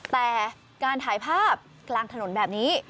แต่การถ่ายภาพกลางถนนแบบนี้